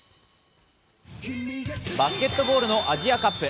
バスケットボールのアジアカップ。